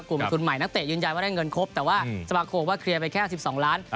กลุ่มทุนใหม่นักเตะยืนยันว่าได้เงินครบแต่ว่าสมาคมว่าเคลียร์ไปแค่๑๒ล้าน